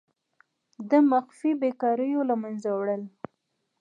د مخفي بیکاریو له منځه وړل.